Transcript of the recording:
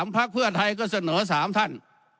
๑๒๓ภักดิ์เวอร์ไทยก็เสนอ๓ท่าน